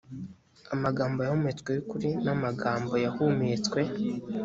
amagambo yahumetswe y ukuri n amagambo yahumetswe